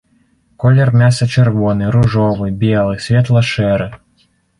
Колер мяса-чырвоны, ружовы, белы, светла-шэры.